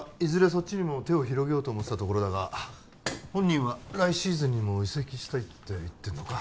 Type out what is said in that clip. そっちにも手を広げようと思ってたところだが本人は来シーズンにも移籍したいって言ってんのか？